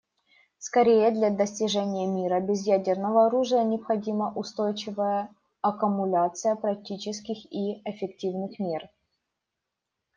Скорее, для достижения мира без ядерного оружия необходима устойчивая аккумуляция практических и эффективных мер.